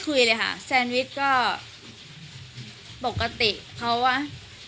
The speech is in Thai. พี่ไล่อยากจะถามคือว่า